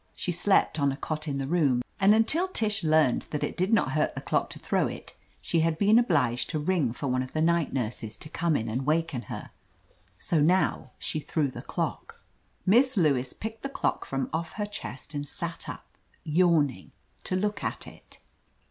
She slept on a cot in the room, and until Tish learned that it did not hurt the clock to throw it, she had been obliged to ring for one of the night 2 OF LETITIA CARBERRY nurses to come in and waken her. So now she threw the clock. )] Miss Lewis picked the dock from off her chest and sat up, yawning, to look at it.